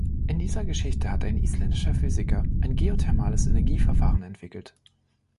In dieser Geschichte hat ein isländischer Physiker ein geothermales Energieverfahren entwickelt.